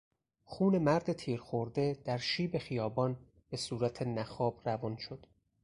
خون مرد تیر خورده در شیب خیابان بهصورت نخاب روان شد.